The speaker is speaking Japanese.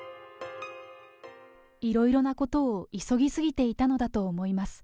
いろいろなことを急ぎ過ぎていたのだと思います。